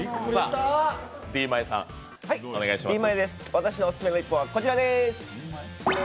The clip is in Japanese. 私のオススメはこちらです。